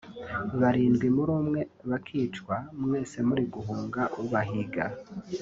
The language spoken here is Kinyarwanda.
barindwi muri mwe bakicwa mwese muri guhunga ubahiga